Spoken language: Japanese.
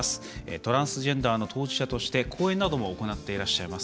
トランスジェンダーの当事者として講演なども行っていらっしゃいます